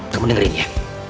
kamu dengerin ya